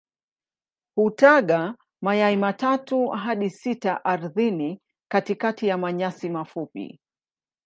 Hutaga mayai matatu hadi sita ardhini katikati ya manyasi mafupi.